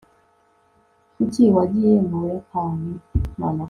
kuki wagiye mu buyapani